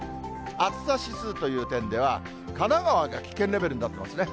暑さ指数という点では、神奈川が危険レベルになってますね。